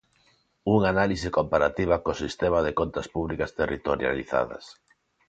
Unha análise comparativa co Sistema de Contas Públicas Territorializadas.